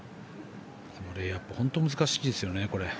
このレイアップ本当に難しいですよね。